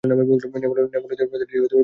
নেপাল থেকে প্রজাতিটি বিলুপ্ত হয়ে গেছে।